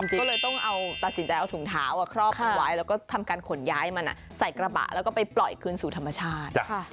ก็เลยต้องเอาตัดสินใจเอาถุงเท้าครอบคลุมไว้แล้วก็ทำการขนย้ายมันใส่กระบะแล้วก็ไปปล่อยคืนสู่ธรรมชาติ